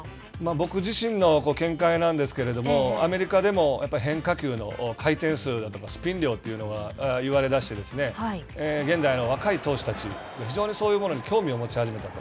僕自身の見解なんですけれども、アメリカでもやっぱり変化球の回転数とかスピン量というのが言われ出して、現代の若い投手たち非常にそういうものに興味を持ち始めたと。